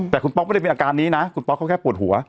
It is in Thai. แต่คุณป๊อกไม่ได้มีอาการนี้นะคุณป๊อกเขาแค่ปวดหัว